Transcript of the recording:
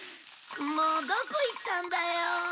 もうどこいったんだよ。